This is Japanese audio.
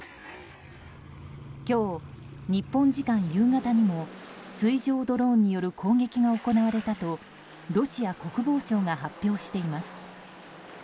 今日、日本時間夕方にも水上ドローンによる攻撃が行われたとロシア国防省が発表しています。